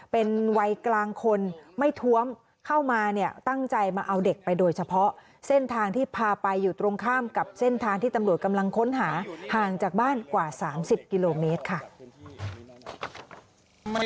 เป็นวัยกลางคนไม่ท้วมเข้ามาเนี่ยตั้งใจมาเอาเด็กไปโดยเฉพาะเส้นทางที่พาไปอยู่ตรงข้ามกับเส้นทางที่ตำรวจกำลังค้นหาห่างจากบ้านกว่า๓๐กิโลเมตรค่ะ